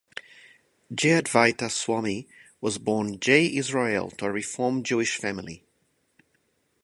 Jayadvaita Swami was born Jay Israel to a Reform Jewish family.